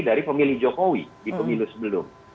dari pemilih jokowi di pemilu sebelum